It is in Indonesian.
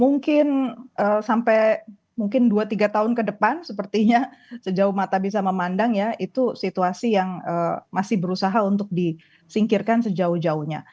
mungkin sampai mungkin dua tiga tahun ke depan sepertinya sejauh mata bisa memandang ya itu situasi yang masih berusaha untuk disingkirkan sejauh jauhnya